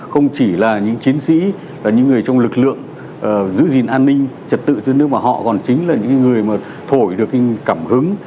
không chỉ là những chiến sĩ những người trong lực lượng giữ gìn an ninh trật tự cho nước mà họ còn chính là những người mà thổi được cảm hứng